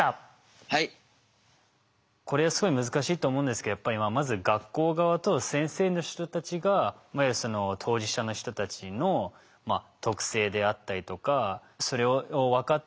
これはすごい難しいと思うんですけどやっぱりまず学校側と先生の人たちが当事者の人たちの特性であったりとかそれを分かった上で授業の進め方